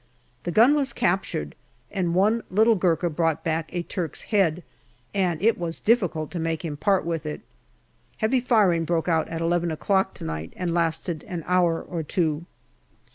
The gun was captured, and one little Gurkha brought back a Turk's head, and it was difficult to make him part with it. Heavy firing broke out at eleven o'clock to night and lasted an hour or two.